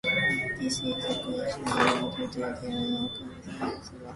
This is questionable due to their lack of scientific background and credentials.